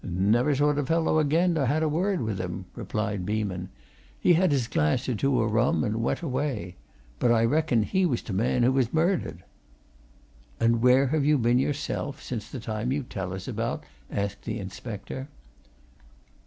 "Never saw t' fellow again, nor had a word with him," replied Beeman. "He had his glass or two o' rum, and went away. But I reckon he was t' man who was murdered." "And where have you been, yourself, since the time you tell us about?" asked the inspector.